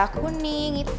kuning gitu ya